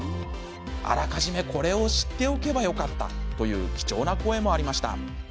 あらかじめこれを知っておけばよかったという貴重な声もありました。